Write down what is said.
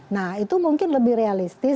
nah itu mungkin lebih realistis